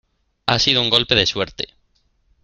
ha sido un golpe de suerte.